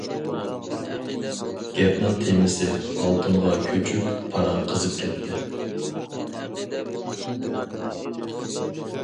گەپنىڭ تېمىسى ئالتۇنغا كۆچۈپ، پاراڭ قىزىپ كەتتى.